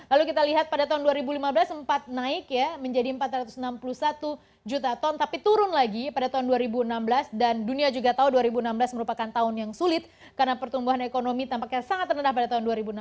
lalu kita lihat pada tahun dua ribu lima belas sempat naik ya menjadi empat ratus enam puluh satu juta ton tapi turun lagi pada tahun dua ribu enam belas dan dunia juga tahu dua ribu enam belas merupakan tahun yang sulit karena pertumbuhan ekonomi tampaknya sangat rendah pada tahun dua ribu enam belas